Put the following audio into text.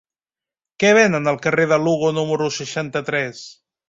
Què venen al carrer de Lugo número seixanta-tres?